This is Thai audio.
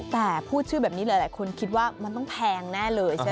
แต่พูดชื่อแบบนี้หลายคนคิดว่ามันต้องแพงแน่เลยใช่ไหม